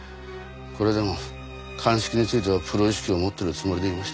これでも鑑識についてはプロ意識を持ってるつもりでいましたから。